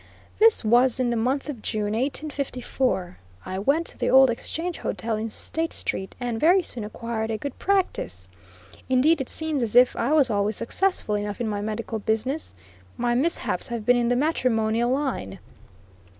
This was in the month of June, 1854. I went to the old Exchange Hotel in State street, and very soon acquired a good practice. Indeed, it seems as if I was always successful enough in my medical business my mishaps have been in the matrimonial line.